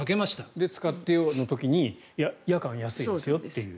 で、使ってよの時に夜間、安いですよと。